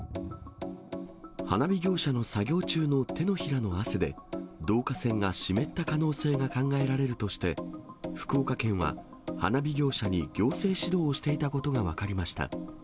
花火業者の作業中の手のひらの汗で、導火線が湿った可能性が考えられるとして、福岡県は花火業者に行政指導をしていたことが分かりました。